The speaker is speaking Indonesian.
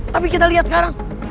tapi kita lihat sekarang